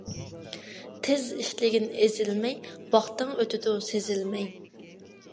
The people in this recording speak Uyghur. تېز ئىشلىگىن ئېزىلمەي، ۋاقتىڭ ئۆتىدۇ سېزىلمەي.